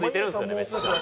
めっちゃ。